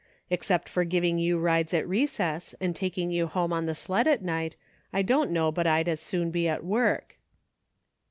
Except for giving you rides at recess, and taking you home on the sled at night, I don't know but I'd as soon be at work."